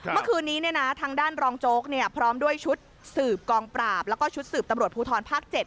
เมื่อคืนนี้ทางด้านรองโจ๊กพร้อมด้วยชุดสืบกองปราบแล้วก็ชุดสืบตำรวจภูทรภาค๗